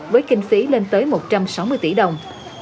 với kinh phí lên tới một trăm sáu mươi tỷ đồng